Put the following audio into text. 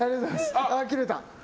あ、切れた。